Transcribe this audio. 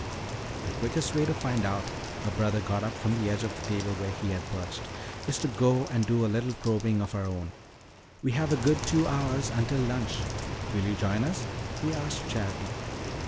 "The quickest way to find out," her brother got up from the edge of the table where he had perched, "is to go and do a little probing of our own. We have a good two hours until lunch. Will you join us?" he asked Charity.